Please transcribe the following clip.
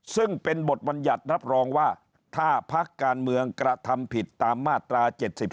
ซึ่งเป็นบทบัญญัติรับรองว่าถ้าพักการเมืองกระทำผิดตามมาตรา๗๒